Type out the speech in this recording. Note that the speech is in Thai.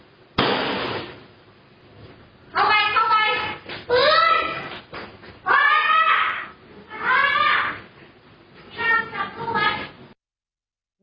ปืน